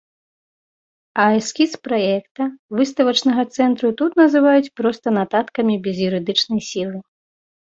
А эскіз праекта выставачнага цэнтру тут называюць проста нататкамі без юрыдычнай сілы.